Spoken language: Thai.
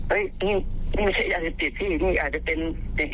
เฮ้ยนี่ไม่ใช่ยาเสพติดที่อีกนี่อาจจะเป็นจริง